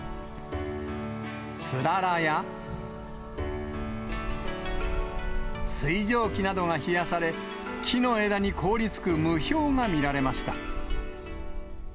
つららや、水蒸気などが冷やされ、木の枝に凍りつく霧氷が見られました。